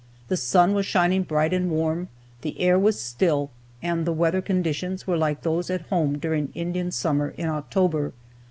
The sun was shining bright and warm, the air was still, and the weather conditions were like those at home during Indian summer in October.